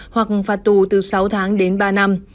hoặc phạt tù từ sáu tháng đến ba năm